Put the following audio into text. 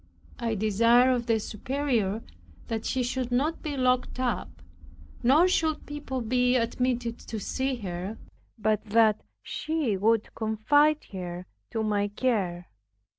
I desired of the Superior that she should not be locked up, nor should people be admitted to see her, but that she would confide her to my care.